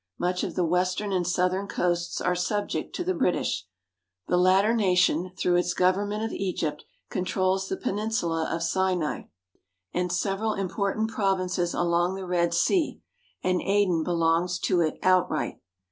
Much of the western and southern coasts are subject to the British. The latter nation, through its government of Egypt, controls the peninsula of Sinai and several important provinces along the Red Sea, and Aden belongs to it outright.